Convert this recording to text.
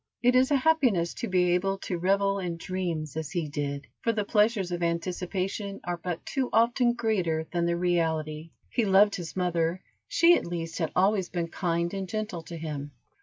It is a happiness to be able to revel in dreams as he did, for the pleasures of anticipation are but too often greater than the reality. He loved his mother, she at least had always been kind and gentle to him.